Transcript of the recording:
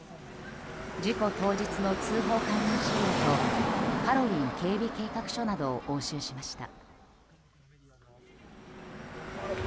事故当日の通報関連資料とハロウィーン警備計画書などを押収しました。